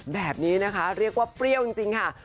แบบนี้นะคะเรียกว่าเปรี้ยวจริงค่ะ